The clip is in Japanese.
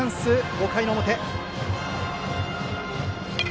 ５回の表。